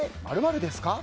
○○ですか？」